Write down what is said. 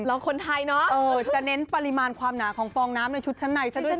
แล้วคนไทยเนาะจะเน้นปริมาณความหนาของฟองน้ำในชุดชั้นในซะด้วย